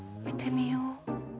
見てみよう。